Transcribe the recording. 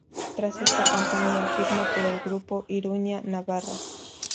Tras esta campaña firma por el Grupo Iruña Navarra.